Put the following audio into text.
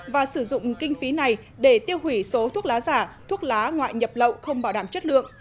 và sử dụng kinh phí này để tiêu hủy số thuốc lá giả thuốc lá ngoại nhập lậu không bảo đảm chất lượng